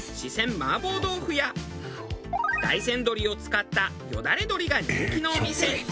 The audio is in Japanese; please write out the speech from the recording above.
麻婆豆腐や大山鶏を使ったよだれ鶏が人気のお店。